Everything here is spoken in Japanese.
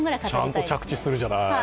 ちゃんと着地するじゃない。